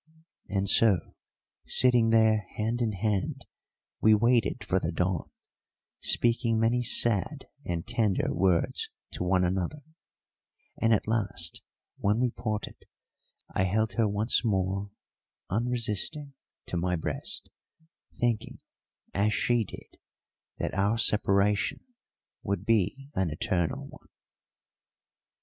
And so, sitting there hand in hand, we waited for the dawn, speaking many sad and tender words to one another; and at last, when we parted, I held her once more unresisting to my breast, thinking, as she did, that our separation would be an eternal one.